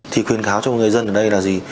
thì khuyên cáo cho người dân ở đây là gì